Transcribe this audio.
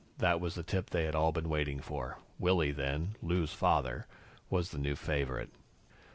That was the tip they had all been waiting for. Willy, then Lou's father was the new favorite.